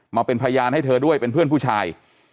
มาเป็นพยานให้เธอด้วยเป็นเพื่อนผู้ชาย